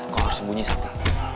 kau harus sembunyi sabti